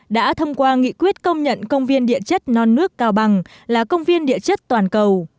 đã thông qua nghị quyết công nhận công viên địa chất non nước cao bằng là công viên địa chất toàn cầu